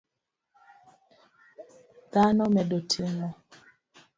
Dhano medo timo